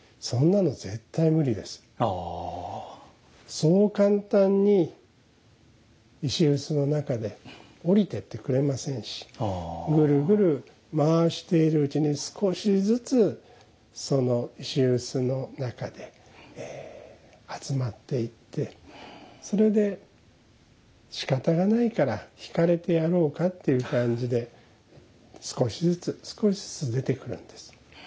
そう簡単に石臼の中でおりてってくれませんしぐるぐる回しているうちに少しずつその石臼の中で集まっていってそれでしかたがないからひかれてやろうかっていう感じで少しずつ少しずつ出てくるんです。